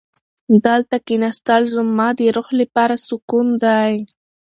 دلته کښېناستل زما د روح لپاره سکون دی.